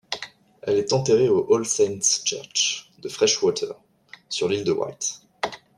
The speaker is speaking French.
Elle est enterrée au All Saints' Church, de Freshwater, sur l'Ile de Wight.